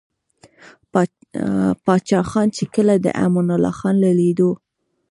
پاچاخان ،چې کله دې امان الله خان له ليدلو o